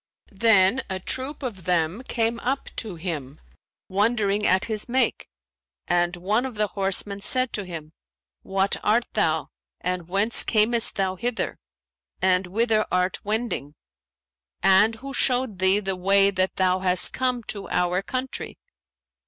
Then a troop of them came up to him, wondering at his make, and one of the horsemen said to him, 'What art thou and whence camest thou hither and whither art wending; and who showed thee the way that thou hast come to our country?'